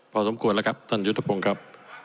พอสมควรแล้วครับท่านยุทธพงศ์ครับ